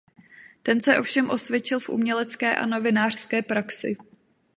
Ten se ovšem osvědčil v umělecké a novinářské praxi.